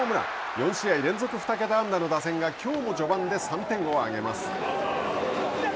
４試合連続２桁安打の打線がきょうも序盤で３点を挙げます。